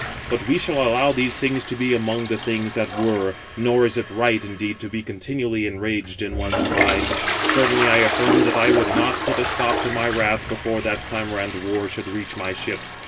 But we shall allow these things to be among the things that were; 512 nor is it right, indeed, to be continually enraged in one's mind. Certainly I affirmed that I would not put a stop to my wrath, before that clamour and war should reach my ships.